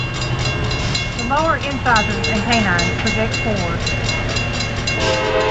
The lower incisors and canines project forward.